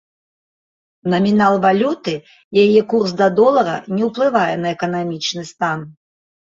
Намінал валюты, яе курс да долара не ўплывае на эканамічны стан.